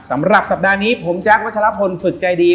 สำหรับสัปดาห์นี้ผมแจ๊ควัชลพลฝึกใจดี